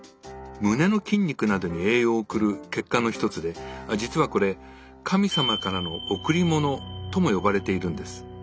胸の筋肉などに栄養を送る血管の一つで実はこれ「神様からの贈り物」とも呼ばれているんです。